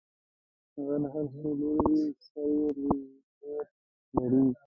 غر هر څو لوړ وي، سر یې لېر لري.